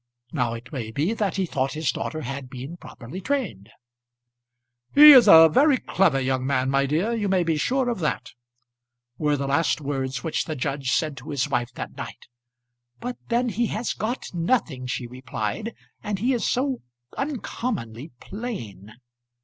Now it may be that he thought his daughter had been properly trained. "He is a very clever young man, my dear; you may be sure of that," were the last words which the judge said to his wife that night. "But then he has got nothing," she replied; "and he is so uncommonly plain."